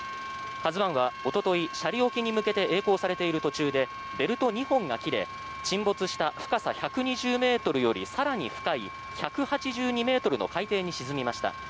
「ＫＡＺＵ１」はおととい斜里沖に向けてえい航されている途中でベルト２本が切れ沈没した深さ１２０ｍより更に深い１８２ｍの海底に沈みました。